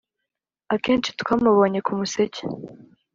akenshi twamubonye ku museke